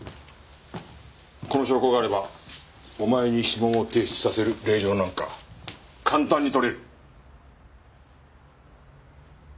この証拠があればお前に指紋を提出させる令状なんか簡単に取れる。